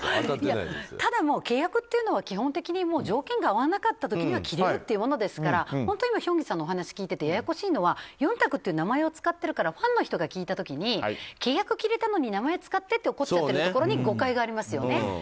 ただ、契約というのは条件が合わなかった時には切れるというものですからヒョンギさんの話を聞いててややこしいのはヨンタクという名前を使ってるからファンの人が聞いた時に契約切れたのに名前使ってって怒ったところに誤解がありますよね。